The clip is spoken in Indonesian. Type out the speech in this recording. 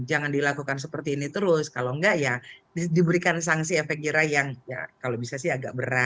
jangan dilakukan seperti ini terus kalau enggak ya diberikan sanksi efek jerah yang ya kalau bisa sih agak berat